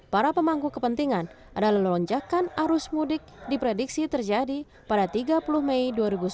para pemangku kepentingan adalah lonjakan arus mudik diprediksi terjadi pada tiga puluh mei dua ribu sembilan belas